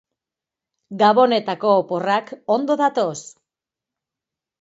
Gabonetako oporrak ondo datoz.